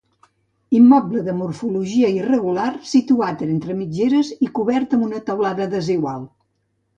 Immoble de morfologia irregular situat entre mitgeres i cobert amb una teulada desigual.